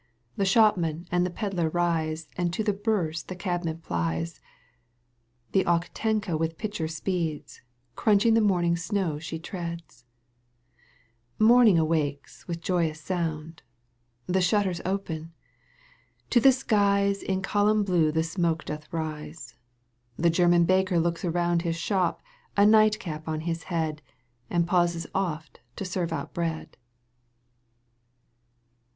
The shopman and the pedlar rise And to the Bourse the cabman plies ; The Okhtenka with pitcher speeds, ^* Crunching the morning snow she treads ; Morning awakes with joyous sound ; The shutters open ; to the skies In column blue the smoke doth rise ; The German baker looks around His shop, a night cap on his head, And pauses oft to serve out bread.